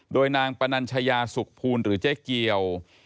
โดยนางปนัญชยาสุขภูลหรือเจ๊เกียว